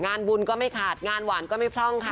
งานบุญก็ไม่ขาดงานหวานก็ไม่พร่องค่ะ